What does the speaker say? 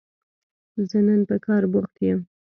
زه نن په کار بوخت يم